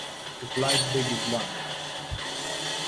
The flight deck is long.